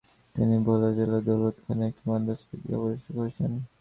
তিনি ভোলা জেলার দৌলতখানে একটি মাদ্রাসা ও ঈদগাহ প্রতিষ্ঠিত করেন।